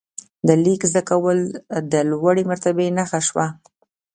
د لیک زده کول د لوړې مرتبې نښه شوه.